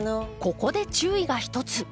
ここで注意がひとつ。